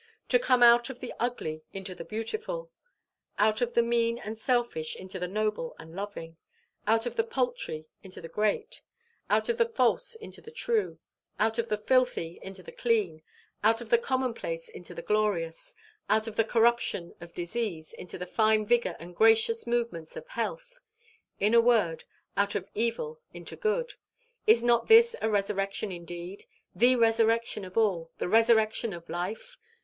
To come out of the ugly into the beautiful; out of the mean and selfish into the noble and loving; out of the paltry into the great; out of the false into the true; out of the filthy into the clean; out of the commonplace into the glorious; out of the corruption of disease into the fine vigour and gracious movements of health; in a word, out of evil into good is not this a resurrection indeed the resurrection of all, the resurrection of Life?